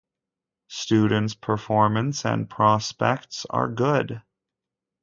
Students' performance and prospects are good.